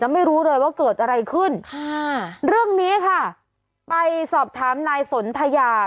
ไม่รู้เลยว่าเกิดอะไรขึ้นค่ะเรื่องนี้ค่ะไปสอบถามนายสนทยา